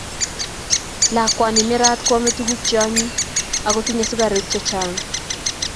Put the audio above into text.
Lakwani nerat koame tuguk cheonyiny ago tinyei sugaruk chechang